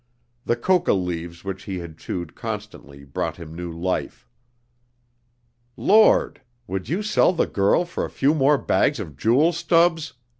The coca leaves which he had chewed constantly brought him new life. "Lord! would you sell the girl for a few more bags of jewels, Stubbs?"